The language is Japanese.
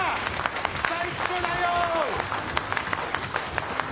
最高だよ！